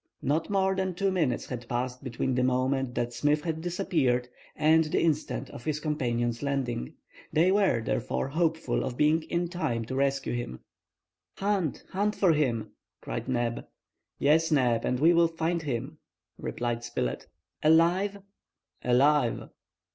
Not more than two minutes had passed between the moment that Smith had disappeared, and the instant of his companions landing. They were, therefore, hopeful of being in time to rescue him. "Hunt, hunt for him," cried Neb. "Yes, Neb, and we will find him," replied Spilett. "Alive?" "Alive!"